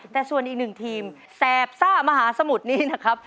แต่ส่วนอีกหนึ่งทีมแสบซ่ามหาสมุทรนี้นะครับ